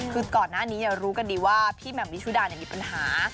คือก่อนหน้านี้อย่ารู้กันดีว่าพี่แหม่มวิชุดาอย่างงี้ปัญหา